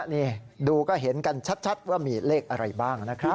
นี่ดูก็เห็นกันชัดว่ามีเลขอะไรบ้างนะครับ